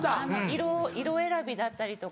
色色選びだったりとか。